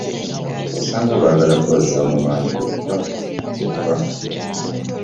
Osanga baagala kubazzaamu maanyi kyokka.